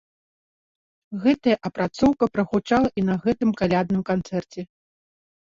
Гэтая апрацоўка прагучала і на гэтым калядным канцэрце.